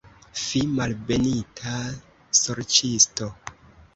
Fi, malbenita sorĉisto!